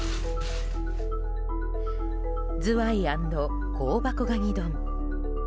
ズワイ＆香箱蟹丼。